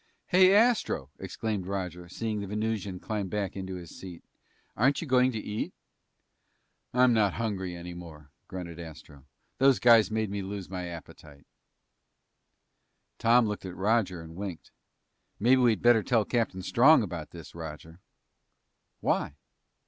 "Hey, Astro!" exclaimed Roger, seeing the Venusian climb back into his seat. "Aren't you going to eat?" "I'm not hungry any more," grunted Astro. "Those guys made me lose my appetite." Tom looked at Roger and winked. "Maybe we'd better tell Captain Strong about this, Roger." "Why?"